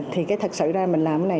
thì cái thật sự ra mình làm cái này